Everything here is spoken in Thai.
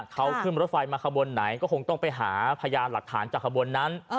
เขาขึ้นรถไฟมาขบวนไหนก็คงต้องไปหาพยานหลักฐานจากขบวนนั้น